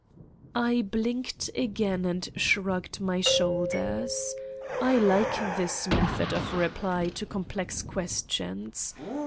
..." I blinked again and shrugged my shoulders. I like this method of reply to complex questions.